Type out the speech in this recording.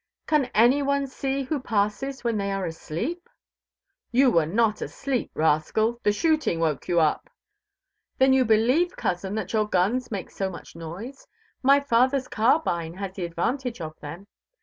"Can any one see who passes when they are asleep?" "You were not asleep, rascal; the shooting woke you up." "Then you believe, cousin, that your guns make so much noise? My father's carbine has the advantage of them."